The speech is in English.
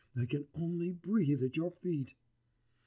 I can only breathe at your feet....